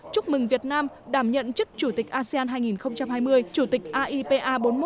chúc mừng việt nam đảm nhận chức chủ tịch asean hai nghìn hai mươi chủ tịch aipa bốn mươi một